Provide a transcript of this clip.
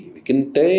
vì kinh tế